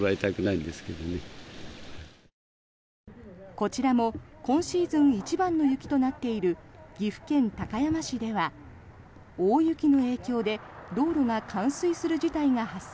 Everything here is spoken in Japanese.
こちらも今シーズン一番の雪となっている岐阜県高山市では大雪の影響で道路が冠水する事態が発生。